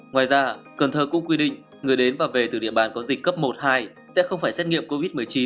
ngoài ra cần thơ cũng quy định người đến và về từ địa bàn có dịch cấp một hai sẽ không phải xét nghiệm covid một mươi chín